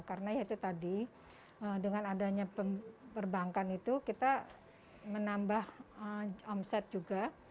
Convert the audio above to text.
karena itu tadi dengan adanya perbankan itu kita menambah omset juga